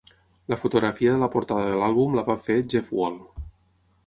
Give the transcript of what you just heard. La fotografia de la portada de l'àlbum la va fer Jeff Wall.